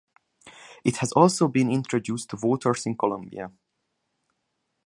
It has also been introduced to waters in Colombia.